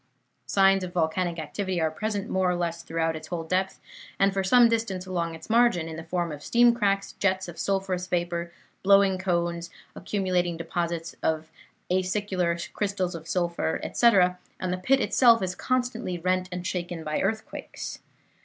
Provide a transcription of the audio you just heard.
Signs of volcanic activity are present more or less throughout its whole depth and for some distance along its margin, in the form of steam cracks, jets of sulphurous vapor, blowing cones, accumulating deposits of acicular crystals of sulphur, etc., and the pit itself is constantly rent and shaken by earthquakes.